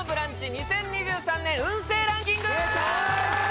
２０２３年運勢ランキング